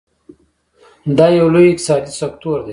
دا یو لوی اقتصادي سکتور دی.